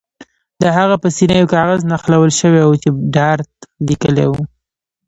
د هغه په سینه یو کاغذ نښلول شوی و چې ډارت لیکلي وو